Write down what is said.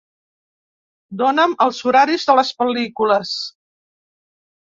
Dona'm els horaris de les pel·lícules